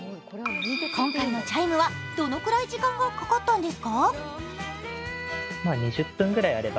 今回のチャイムはどのくらい時間がかかったんですか？